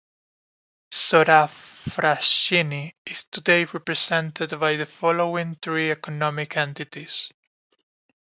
Isotta Fraschini is today represented by the following three economic entities.